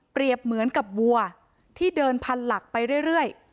เหมือนกับวัวที่เดินพันหลักไปเรื่อย